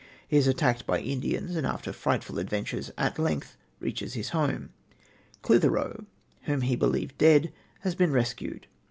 He is attacked by Indians, and after frightful adventures at length reaches his home. Clithero, whom he believed dead, has been rescued.